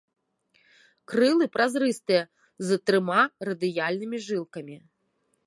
Крылы празрыстыя з трыма радыяльнымі жылкамі.